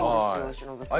忍さんは。